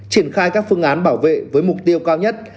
triển khai các phương án bảo vệ với mục tiêu cao nhất